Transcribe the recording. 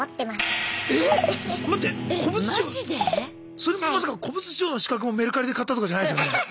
それもまさか古物証の資格もメルカリで買ったとかじゃないですよね。